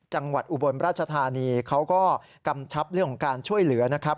อุบลราชธานีเขาก็กำชับเรื่องของการช่วยเหลือนะครับ